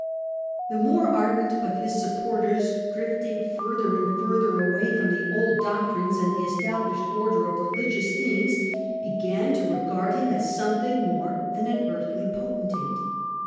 The more ardent of his supporters, drifting further and further away from the old doctrines and the es tablished order of religious things, began to regard him as something more than an earthly potentate.